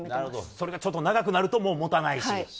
それで、ちょっと長くなるともたないし。